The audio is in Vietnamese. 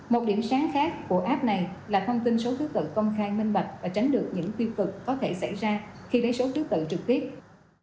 một điểm sáng khác của app này là thông tin số thứ tự công khai minh bạch và tránh được những tiêu cực có thể xảy ra khi lấy số thứ tự trực tiếp